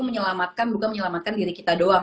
menyelamatkan juga menyelamatkan diri kita doang